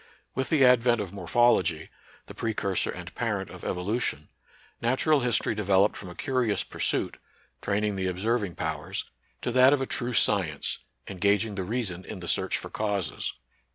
With the advent of Morphology, the precursor and parent of Evolution, Natural History devel oped from a curious pursuit, training the observ ing powers, to that of a true science, engaging the reason in the search for causes.